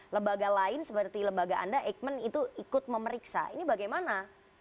lembaga lain seperti lembaga anda eijkman itu ikut memeriksa ini bagaimana